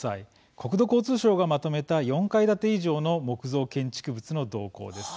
国土交通省がまとめた４階建て以上の木造建築物の動向です。